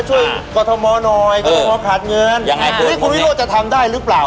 กรทมหน่อยกรทมขาดเงินยังไงคุณนี่คุณวิโรธจะทำได้หรือเปล่า